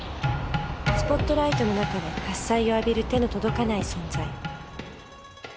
スポットライトの中で喝采を浴びる手の届かない存在